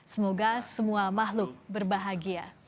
semoga semua makhluk berbahagia